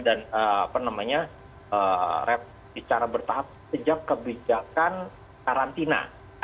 dan rep secara bertahap sejak kebijakan karantina